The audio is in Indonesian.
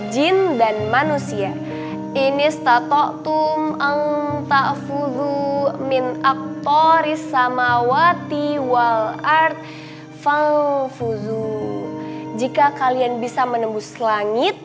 jika kalian bisa menembus langit